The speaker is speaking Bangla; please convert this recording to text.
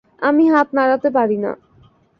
আমি হাত নাড়াতে পারি না।